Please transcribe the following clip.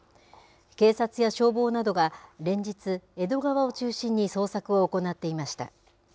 警察や消防などが連日、江戸川を中心に捜索を行っていました。